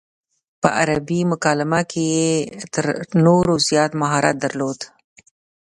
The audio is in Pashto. په عربي مکالمه کې یې تر نورو زیات مهارت درلود.